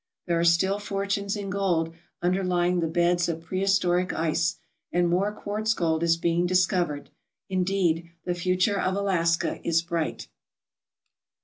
There are still fortunes in gold underlying the beds of prehistoric ice, and more quartz gold is being discovered. Indeed, the future of Alaska is bright.